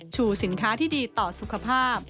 ชูสินค้าที่ดีต่อสุขภาพ